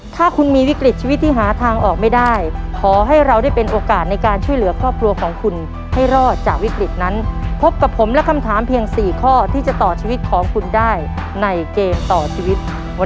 ถ้าคุณมีวิกฤตชีวิตที่หาทางออกไม่ได้ขอให้เราได้เป็นโอกาสในการช่วยเหลือครอบครัวของคุณให้รอดจากวิกฤตนั้นพบกับผมและคำถามเพียง๔ข้อที่จะต่อชีวิตของคุณได้ในเกมต่อชีวิต